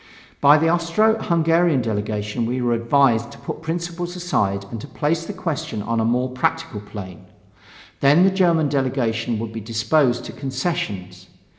By the Austro Hungarian delegation we were advised to put principle aside and to place the question on a more practical plane. Then the German delegation would be disposed to concessions....